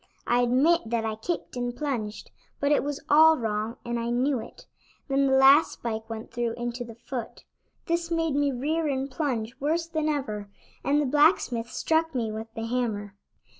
I admit that I kicked and plunged, but it was all wrong, and I knew it; then the last spike went through into the foot. This made me rear and plunge worse than ever, and the blacksmith struck me with the hammer.